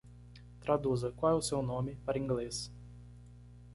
Traduza "qual é o seu nome?" para Inglês.